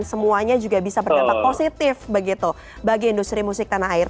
dan semuanya juga bisa berdampak positif begitu bagi industri musik tanah air